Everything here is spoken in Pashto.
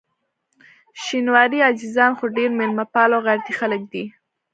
شینواري عزیزان خو ډېر میلمه پال او غیرتي خلک دي.